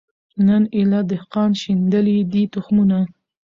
نن ایله دهقان شیندلي دي تخمونه